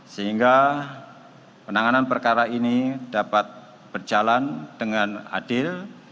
sehingga penanganan perkara ini dapat berjalan dengan adil